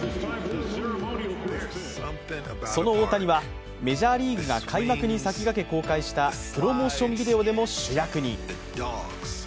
その大谷はメジャーリーグが開幕に先駆け公開したプロモーションビデオでも主役に。